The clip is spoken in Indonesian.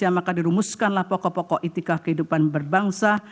maka dirumuskanlah pokok pokok etika kehidupan berbangsa